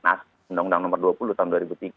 undang undang nomor dua puluh tahun dua ribu tiga